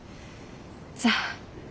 じゃあ。